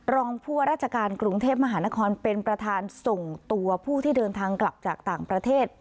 รองผู้ว่าราชการกรุงเทพมหานครเป็นประธานส่งตัวผู้ที่เดินทางกลับจากต่างประเทศ